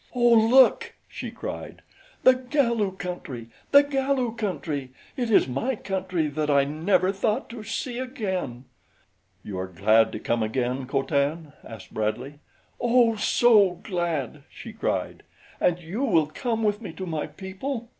"Oh, look!" she cried. "The Galu country! The Galu country! It is my country that I never thought to see again." "You are glad to come again, Co Tan?" asked Bradley. "Oh, so glad!" she cried. "And you will come with me to my people?